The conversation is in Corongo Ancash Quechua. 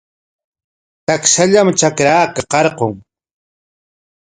Takshallam trakraqa karqun.